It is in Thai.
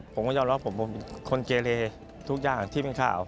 ผมก็ยอมรับผมเป็นคนเกเลทุกอย่างที่เป็นข่าว